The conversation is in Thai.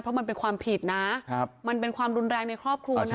เพราะมันเป็นความผิดนะมันเป็นความรุนแรงในครอบครัวนะ